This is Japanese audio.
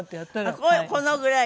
あっこのぐらい？